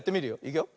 いくよ。